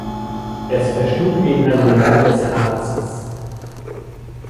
Es verschlug ihn an den Rand des Harzes.